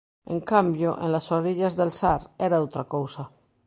En cambio, 'En las orillas del Sar' era outra cousa.